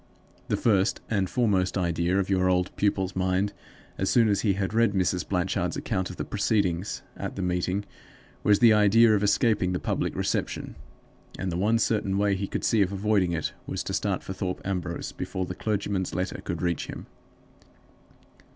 The first and foremost idea in your old pupil's mind, as soon as he had read Mrs. Blanchard's account of the proceedings at the meeting, was the idea of escaping the public reception, and the one certain way he could see of avoiding it was to start for Thorpe Ambrose before the clergyman's letter could reach him.